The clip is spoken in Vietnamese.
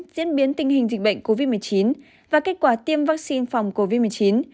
diễn biến tình hình dịch bệnh covid một mươi chín và kết quả tiêm vaccine phòng covid một mươi chín